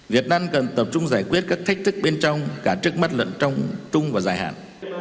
việt nam cần tập trung giải quyết các thách thức bên trong cả trước mắt lẫn trong trung và dài hạn